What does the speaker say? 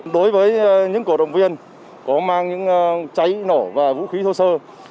đối với những cổ động viên có mang những cháy nổ và vũ khí thô sơ